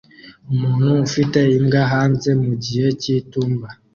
Umuntu ufite imbwa hanze mugihe cyitumba